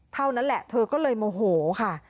เท่านั้นแหละเธอก็เลยโมโหค่ะ